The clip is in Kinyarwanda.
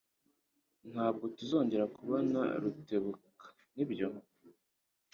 Ntabwo tuzongera kubona Rutebuka, nibyo?